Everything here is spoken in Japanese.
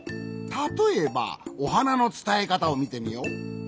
たとえば「おはな」のつたえかたをみてみよう。